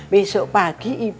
besok pagi ibu mau ada acara